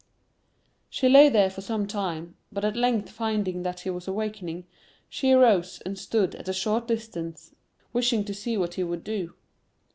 She lay there for some time, but at length finding that he was awakening, she arose and stood at a short distance, wishing to see what he would do.